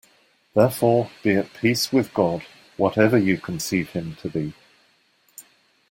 Therefore be at peace with God, whatever you conceive Him to be.